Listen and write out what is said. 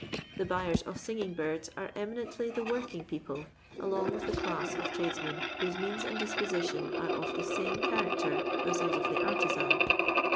The buyera of singing birds are eminently the working people, along with the chus of trades men whose means and disposition an of the same character as those of the artisan.